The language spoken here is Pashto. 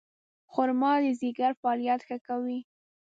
خرما د ځیګر فعالیت ښه کوي.